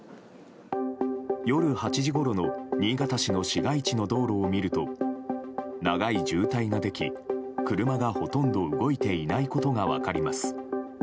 夜８時ごろの新潟市の市街地の道路を見ると長い渋滞ができ車がほとんど動いていないことが分かります。